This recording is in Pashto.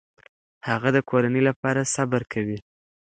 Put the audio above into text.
هغه د کورنۍ لپاره صبر کوي.